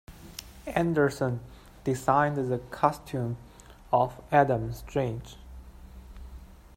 Anderson designed the costume of Adam Strange.